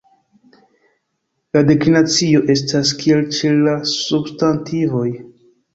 La deklinacio estas kiel ĉe la substantivoj.